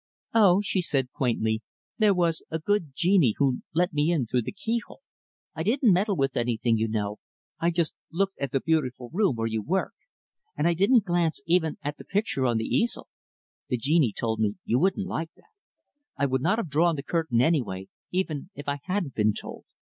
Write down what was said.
"Oh," she said quaintly, "there was a good genie who let me in through the keyhole. I didn't meddle with anything, you know I just looked at the beautiful room where you work. And I didn't glance, even, at the picture on the easel. The genie told me you wouldn't like that. I would not have drawn the curtain anyway, even if I hadn't been told.